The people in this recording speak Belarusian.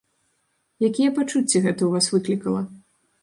Якія пачуцці гэта ў вас выклікала?